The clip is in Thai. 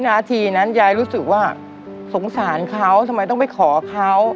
นาทีนั้นยายรู้สึกว่าสงสารเขาทำไมต้องไปขอเขา